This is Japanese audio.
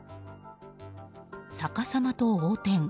逆さまと、横転。